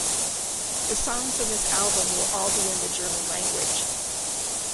The songs on this album will all be in the German language.